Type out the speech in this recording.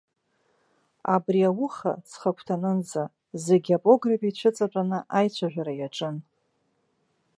Абри ауха ҵхагәҭанынӡа, зегьы апогреб ицәыҵатәаны аицәажәара иаҿын.